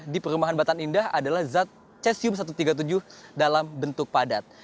di perumahan batan indah adalah zat cesium satu ratus tiga puluh tujuh dalam bentuk padat